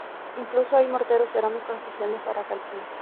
Incluso hay morteros cerámicos especiales para tal fin.